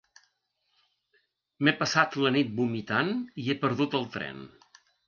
M'he passat la nit vomitant i he perdut el tren.